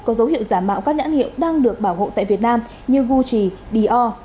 có dấu hiệu giả mạo các nhãn hiệu đang được bảo hộ tại việt nam như gucci dior